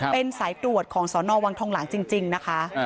เป็นสายตรวจของสนวังทองหลังจริงนะคะ